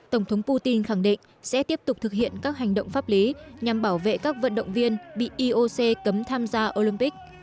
tổng thống putin khẳng định sẽ tiếp tục thực hiện các hành động pháp lý nhằm bảo vệ các vận động viên bị ioc cấm tham gia olympic